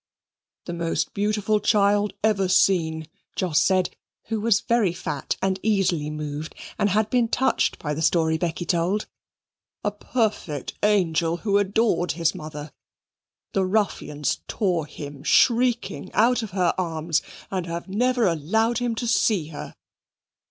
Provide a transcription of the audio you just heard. "The most beautiful child ever seen," Jos said, who was very fat, and easily moved, and had been touched by the story Becky told; "a perfect angel, who adored his mother. The ruffians tore him shrieking out of her arms, and have never allowed him to see her."